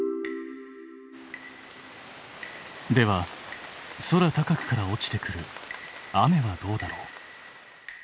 では空高くから落ちてくる雨はどうだろう？